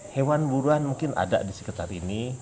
hewan buruan mungkin ada di sekitar ini